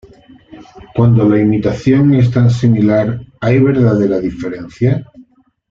Cuando la imitación es tan similar... ¿hay verdadera diferencia?